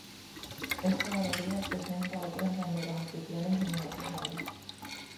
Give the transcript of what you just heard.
Esta galería presenta otras banderas oficiales de Nueva Zelanda.